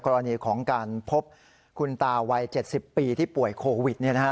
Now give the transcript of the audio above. กรณีของการพบคุณตาวัยเจ็ดสิบปีที่ป่วยโควิดเนี่ยนะคะ